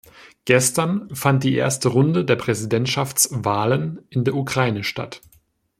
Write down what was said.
Gestern fand die ersten Runde der Präsidentschaftswahlen in der Ukraine statt.